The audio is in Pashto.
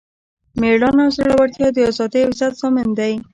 میړانه او زړورتیا د ازادۍ او عزت ضامن دی.